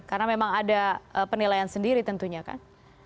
karena memang ada penilaian sendiri tentunya kan